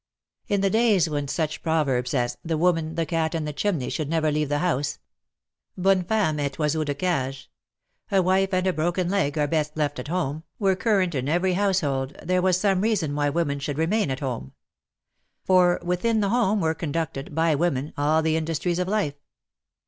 In the days when such proverbs as The woman, the cat and the chimney should never leave the house," '' Bonne fe?nme est oiseau de cage,'' "A wife and a broken leg are best left at home," were current in every household, there was some reason why women should remain at home. For ivithin the home were conducted — by women — all the industries of life.